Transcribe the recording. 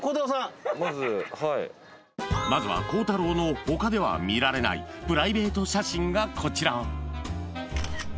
まずはいまずは孝太郎の他では見られないプライベート写真がこちら